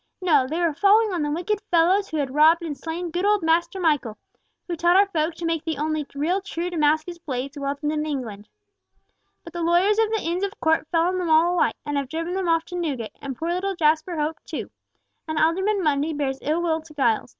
No, they were falling on the wicked fellows who had robbed and slain good old Master Michael, who taught our folk to make the only real true Damascus blades welded in England. But the lawyers of the Inns of Court fell on them all alike, and have driven them off to Newgate, and poor little Jasper Hope too. And Alderman Mundy bears ill will to Giles.